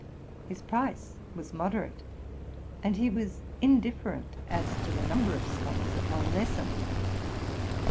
His price was moderate, and he was indifferent as to the number of scholars at one lesson.